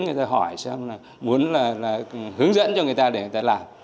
người ta hỏi xem là muốn hướng dẫn cho người ta để người ta làm